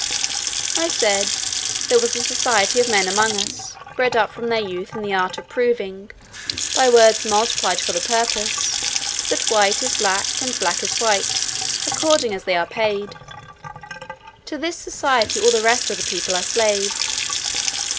I said, "there was a society of men among us, bred up from their youth in the art of proving, by words multiplied for the purpose, that white is black, and black is white, according as they are paid. To this society all the rest of the people are slaves.